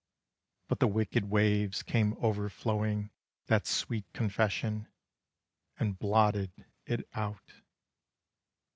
But the wicked waves came overflowing That sweet confession, And blotted it out.